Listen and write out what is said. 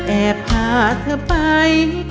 แอบพาเธอไป